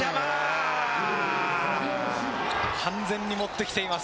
完全に持ってきています。